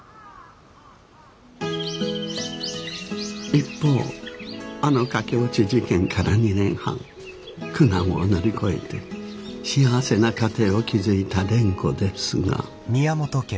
一方あの駆け落ち事件から２年半苦難を乗り越えて幸せな家庭を築いた蓮子ですが。